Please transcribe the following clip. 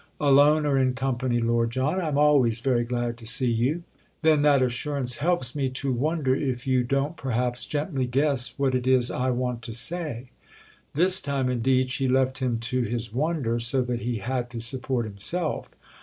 "Alone or in company, Lord John, I'm always very glad to see you." "Then that assurance helps me to wonder if you don't perhaps gently guess what it is I want to say." This time indeed she left him to his wonder, so that he had to support himself.